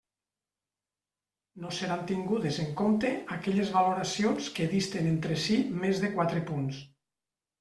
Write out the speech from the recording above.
No seran tingudes en compte aquelles valoracions que disten entre si més de quatre punts.